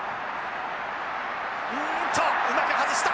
うまく外した！